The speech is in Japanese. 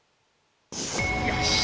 ⁉よし！